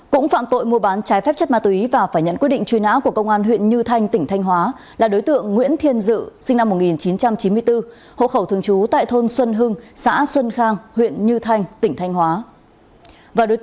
cũng phạm tội mua bán trái phép chất ma túy và phải nhận quyết định truy nã của công an huyện như thanh tỉnh thanh hóa là đối tượng nguyễn thiên dự sinh năm một nghìn chín trăm chín mươi bốn hộ khẩu thường trú tại thôn xuân hưng xã xuân khang huyện như thanh tỉnh thanh hóa